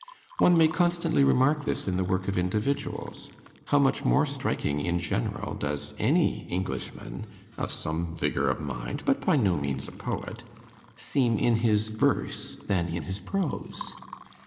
One may constantly remark this in the work of individuals: how much more striking, in general, does any Englishman of some vigor of mind, but by no means a poet seem in his verse than in his prose!